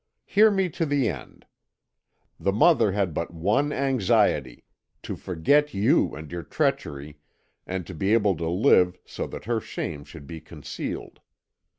Hear me to the end. The mother had but one anxiety to forget you and your treachery, and to be able to live so that her shame should be concealed.